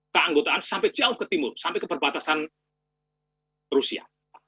keanggotaan sampai jauh ke timur sampai ke perbatasan rusia